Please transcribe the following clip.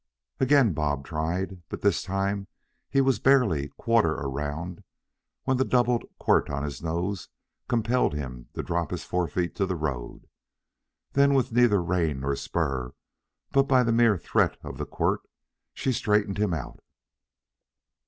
Again Bob tried. But this time he was barely quarter around when the doubled quirt on his nose compelled him to drop his fore feet to the road. Then, with neither rein nor spur, but by the mere threat of the quirt, she straightened him out.